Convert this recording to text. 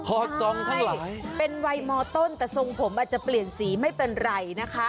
พอซองเท่าไหร่เป็นวัยมต้นแต่ทรงผมอาจจะเปลี่ยนสีไม่เป็นไรนะคะ